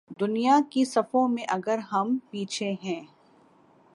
دنیا کی صفوں میں اگر ہم پیچھے ہیں۔